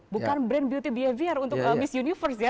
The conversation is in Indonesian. bukan brand beauty behavior untuk miss universe ya